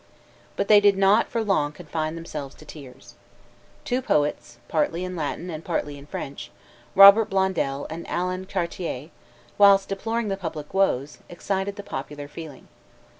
But they did not for long confine themselves to tears. Two poets, partly in Latin and partly in French, Robert Blondel, and Alan Chartier, whilst deploring the public woes, excited the popular feeling.